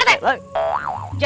jadi pak rt takut sama hantu